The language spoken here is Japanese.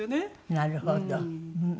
なるほど。